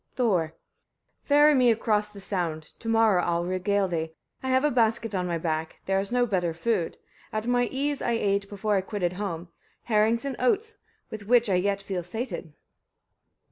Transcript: Thor. 3. Ferry me across the sound, to morrow I'll regale thee. I have a basket on my back: there is no better food: at my ease I ate, before I quitted home, herrings and oats, with which I yet feel sated.